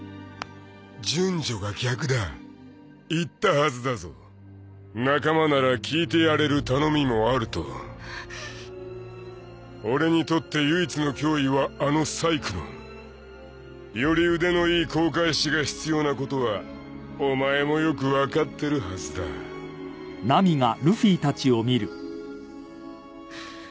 順序が逆だ言ったはずだぞ仲間なら聞いてやれる頼みもあると俺にとって唯一の脅威はあのサイクロンより腕のいい航海士が必要なことはお前もよく分かってるはずだ形見か？